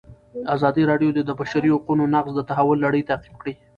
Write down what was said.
ازادي راډیو د د بشري حقونو نقض د تحول لړۍ تعقیب کړې.